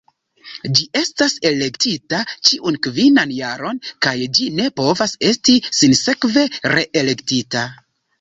Ĝi estas elektita ĉiun kvinan jaron kaj ĝi ne povas esti sinsekve reelektita.